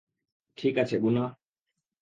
ঠিক আছে, গুনা।